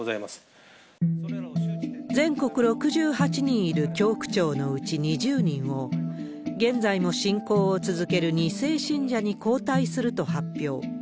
ーぜんこく６８にんいる教区長のうち２０人を、現在も信仰を続ける２世信者に交代すると発表。